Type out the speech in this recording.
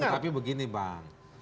iya tetapi begini bang